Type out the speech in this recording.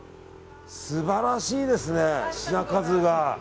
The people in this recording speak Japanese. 素晴らしいですね、品数が。